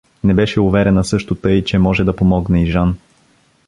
Не беше уверена също тъй, че може да помогне и Жан.